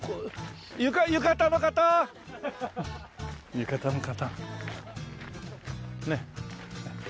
浴衣の方！